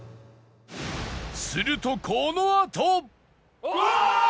するとこのあと